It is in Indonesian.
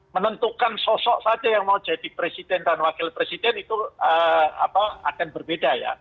menentukan sosok saja yang mau jadi presiden dan wakil presiden itu akan berbeda ya